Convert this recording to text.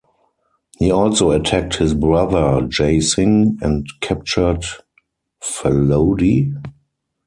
He also attacked his brother Jai Singh and captured Phalodi.